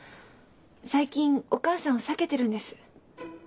最近お母さんを避けてるんです。